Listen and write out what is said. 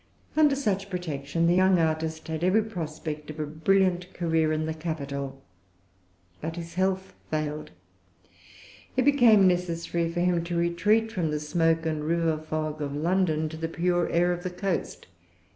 Under such protection, the young artist had every prospect of a brilliant career in the capital. But his health failed. It became necessary for him to retreat from the smoke and river fog of London, to the pure air of the coast.